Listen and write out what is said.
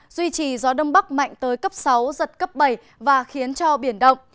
duy trì gió đông bắc mạnh tới cấp sáu giật cấp bảy và khiến cho biển động